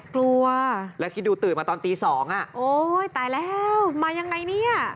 กลัวแล้วคิดดูตื่นมาตอนตีสองอ่ะโอ้ยตายแล้วมายังไงเนี่ย